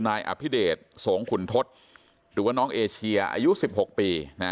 นายอภิเดชสงขุนทศหรือว่าน้องเอเชียอายุ๑๖ปี